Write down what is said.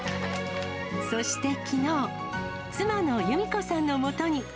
そしてきのう、妻の由美子さんのもとに。